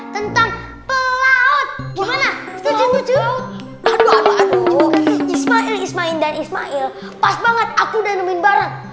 tentang pelaut gimana tuju tuju aduh aduh ismail ismail dan ismail pas banget aku udah nemuin barang